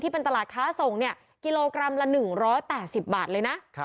เป็นตลาดค้าส่งกิโลกรัมละ๑๘๐บาทเลยนะ